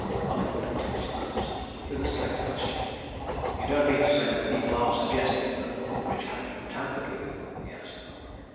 Collingwood clinched matters with a straight question. "You don't mean to say that people are suggesting that the foot bridge had been tampered with?" he asked.